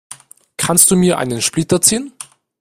Kannst du mir einen Splitter ziehen?